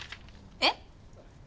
えっ？